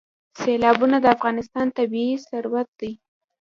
سیلابونه د افغانستان طبعي ثروت دی.